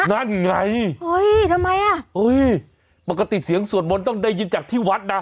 นั่นไงเฮ้ยทำไมอ่ะเฮ้ยปกติเสียงสวดมนต์ต้องได้ยินจากที่วัดนะ